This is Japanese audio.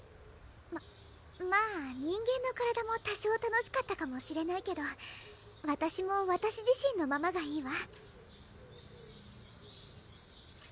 ままぁ人間の体も多少楽しかったかもしれないけどわたしもわたし自身のままがいいわ！